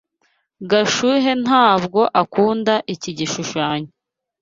Gashuhe ntabwo akunda iki gishushanyo.